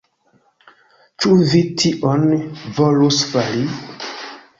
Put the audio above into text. Ĉu vi tion volus fari?